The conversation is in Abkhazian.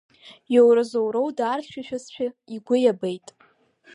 Иоуразоуроу даархьшәашәазшәа игәы иабеит.